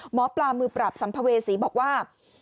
หมอปลามือปราบสัมภเวษีบอกว่า